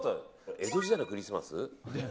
江戸時代のクリスマス？